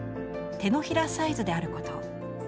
「手のひらサイズであること」。